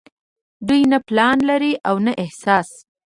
دوي نۀ پلان لري او نه احساس